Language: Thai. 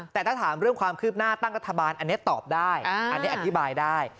แต่ถ้าถามเรื่องความคืบหน้าตั้งรัฐบาลอันนี้ตอบได้อันนี้อธิบายได้